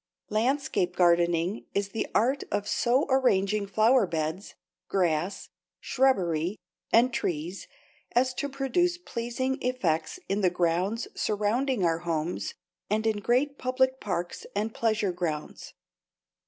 Landscape gardening is the art of so arranging flower beds, grass, shrubbery, and trees as to produce pleasing effects in the grounds surrounding our homes and in great public parks and pleasure grounds.